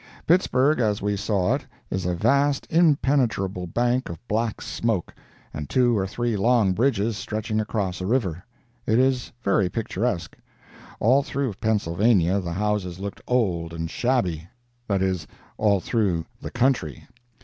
Pittsburg, as we saw it, is a vast, impenetrable bank of black smoke, and two or three long bridges stretching across a river. It is very picturesque. All through Pennsylvania the houses looked old and shabby—that is, all through the country.